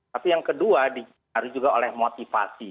tapi yang kedua dinari juga oleh motivasi